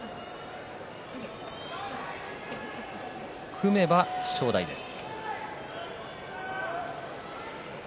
組めば正代です。